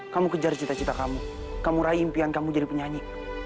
kamu kejar cita cita kamu kamu raih impian kamu jadi penyanyi